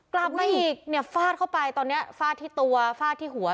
กลับมาอีกเนี่ยฟาดเข้าไปตอนนี้ฟาดที่ตัวฟาดที่หัว